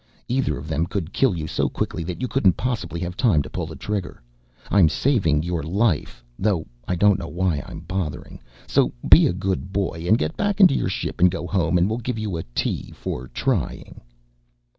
Either of them could kill you so quickly that you couldn't possibly have time to pull that trigger. I'm saving your life though I don't know why I'm bothering so be a good boy and get back into your ship and go home and we'll give you a T for trying."